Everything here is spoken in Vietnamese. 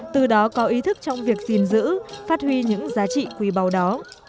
từ đó có ý thức trong việc gìn giữ phát huy những giá trị quý báu đó